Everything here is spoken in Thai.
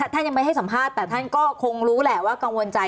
ท่านยังไม่ให้สัมภาษณ์แต่ท่านก็คงรู้แหละว่ากังวลใจ